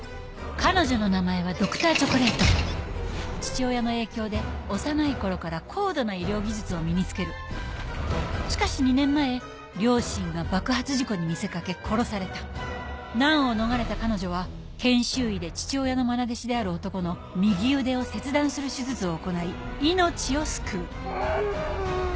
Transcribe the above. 彼女の名前はＤｒ．チョコレート父親の影響で幼い頃から高度な医療技術を身に付けるしかし２年前両親が爆発事故に見せかけ殺された難を逃れた彼女は研修医で父親のまな弟子である男の右腕を切断する手術を行い命を救ううぅ！